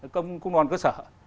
công đoàn cơ sở